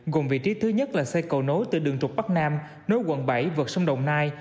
gồm vị trí thứ nhất là xây cầu nối từ đường trục bắc nam nối quận bảy vượt sông đồng nai